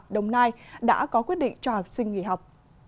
đồng nai đã có quyết định cho học sinh nghỉ học